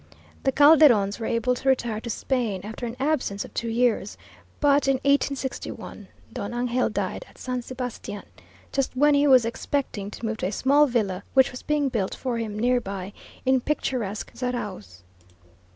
The Calderons were able to return to Spain after an absence of two years, but in 1861 Don Angel died at San Sebastian, just when he was expecting to move to a small villa which was being built for him nearby in picturesque Zarauz.